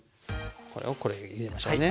これをこれ入れましょうね。